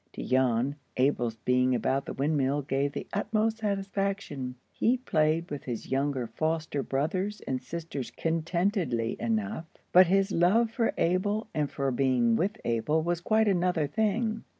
To Jan, Abel's being about the windmill gave the utmost satisfaction. He played with his younger foster brothers and sisters contentedly enough, but his love for Abel, and for being with Abel, was quite another thing.